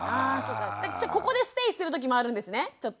じゃあここでステイするときもあるんですねちょっと。